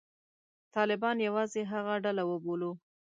طالبان یوازې هغه ډله وبولو.